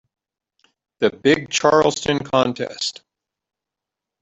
The big Charleston contest.